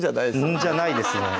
じゃないですね